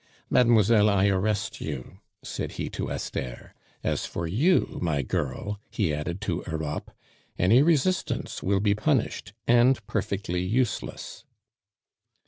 "Mademoiselle, I arrest you!" said he to Esther. "As for you, my girl," he added to Europe, "any resistance will be punished, and perfectly useless."